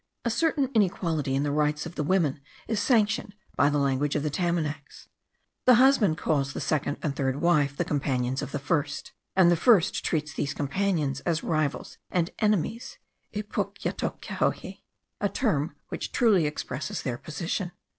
A certain inequality in the rights of the women is sanctioned by the language of the Tamanacs. The husband calls the second and third wife the companions of the first; and the first treats these companions as rivals and enemies (ipucjatoje), a term which truly expresses their position.